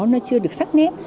nó chưa được sắc nét